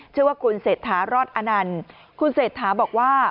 ชื่อว่าคุณเศรษฐารอดอนันต์คุณเศรษฐาบอกว่า